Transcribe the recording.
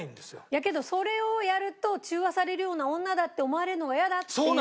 いやけどそれをやると中和されるような女だって思われるのが嫌だっていう。